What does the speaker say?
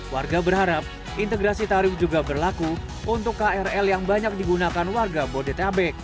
warga berharap integrasi tarif juga berlaku untuk krl yang banyak digunakan warga bodetabek